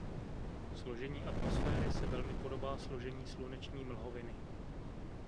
Složení atmosféry se velmi podobá složení sluneční mlhoviny.